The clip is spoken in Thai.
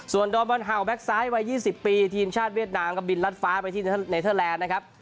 ส่วนดอมบอลเห่าแก๊กซ้ายวัย๒๐ปีทีมชาติเวียดนามก็บินรัดฟ้าไปที่เนเทอร์แลนด์นะครับ